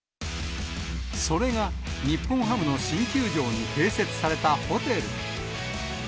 それが、日本ハムの新球場に併設されたホテル。